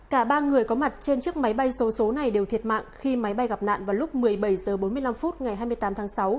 cả ba người có mặt trên chiếc máy bay số số này đều thiệt mạng khi máy bay gặp nạn vào lúc một mươi bảy h bốn mươi năm ngày hai mươi tám tháng sáu